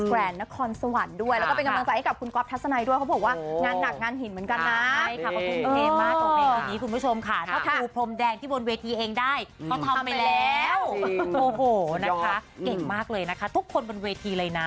แล้วเราก็ต้องเอานางพญาไปสู้แล้วที่เหลือก็เดี๋ยวจะแบบสู้กันต่อ